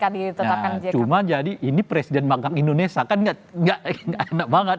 cuma jadi ini presiden magang indonesia kan gak enak banget